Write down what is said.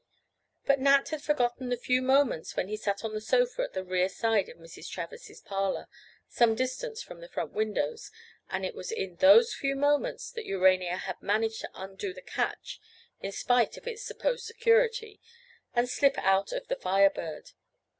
But Nat had forgotten the few moments when he sat on the sofa at the rear side of Mrs. Travers's parlor, some distance from the front windows, and it was in those few moments that Urania had managed to undo the catch, in spite of its supposed security, and slip out of the Fire Bird.